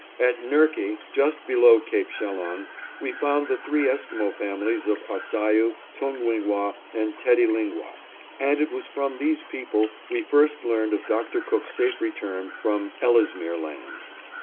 At Nerke, just below Cape Chalon, we found the three Esquimo families of Ahsayoo, Tungwingwah, and Teddylingwah, and it was from these people we first learned of Dr. Cook's safe return from Ellesmere Land.